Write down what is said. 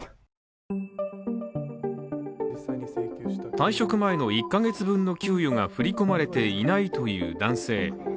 退職前の１か月分の給与が振り込まれていないという男性。